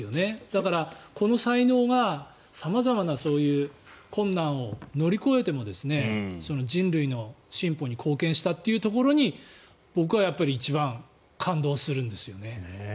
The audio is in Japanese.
だから、この才能が様々なそういう困難を乗り越えても人類の進歩に貢献したっていうところに僕は一番、感動するんですよね。